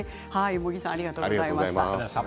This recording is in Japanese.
茂木さんありがとうございました。